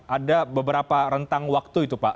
ada beberapa rentang waktu itu pak